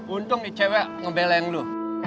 untung nih cewek ngebelain lo